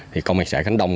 thì công an xã khánh đông